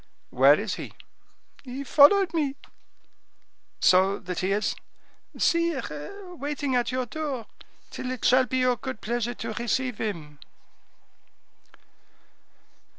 "Where is he?" "He followed me." "So that he is—" "Sire, waiting at your door, till it shall be your good pleasure to receive him."